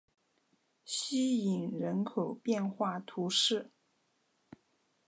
希伊人口变化图示